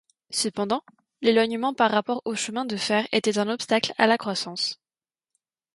Cependant, l'éloignement par rapport au chemin de fer était un obstacle à la croissance.